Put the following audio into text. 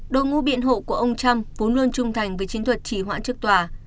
đội ngũ biện hộ của ông trump vốn luôn trung thành với chiến thuật chỉ hoãn trước tòa